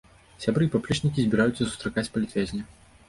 Сябры і паплечнікі збіраюцца сустракаць палітвязня.